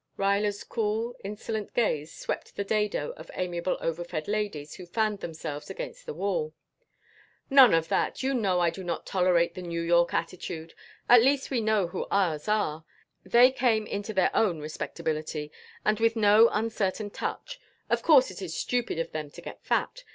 Ruyler's cool insolent gaze swept the dado of amiable overfed ladies who fanned themselves against the wall. "None of that! You know that I do not tolerate the New York attitude. At least we know who ours are; they came into their own respectably, and with no uncertain touch. Of course it is stupid of them to get fat.